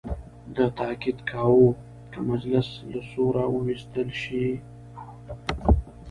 ده تاکید کاوه که مجلس له سوره وویستل شي.